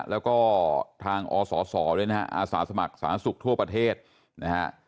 แล้วก็ทางอสสด้วยนะฮะอาสาสมัครสหรัฐศึกษ์ทั่วประเทศนะฮะ